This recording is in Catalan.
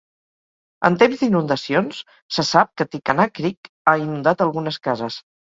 En temps d'inundacions, se sap que Tycannah Creek ha inundat algunes cases.